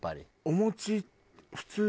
お餅。